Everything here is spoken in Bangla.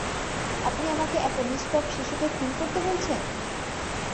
আপনি আমাকে একটা নিষ্পাপ শিশুকে খুন করতে বলছেন!